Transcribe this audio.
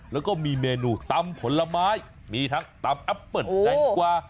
แล้วก็มีเมนูตำผลไม้มีทั้งตำแอปเปิ้ลแตงกวา